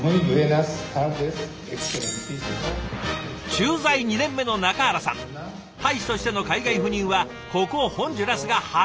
駐在２年目の中原さん大使としての海外赴任はここホンジュラスが初！